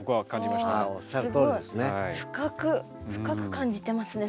深く感じてますね